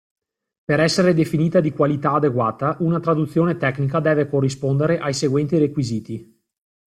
Per essere definita di qualità adeguata, una traduzione tecnica deve corrispondere ai seguenti requisiti.